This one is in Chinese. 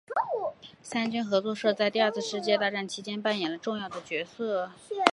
三军合作社在第二次世界大战其间扮演了重要的角色。